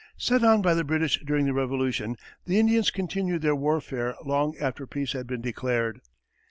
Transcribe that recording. Set on by the British during the Revolution, the Indians continued their warfare long after peace had been declared.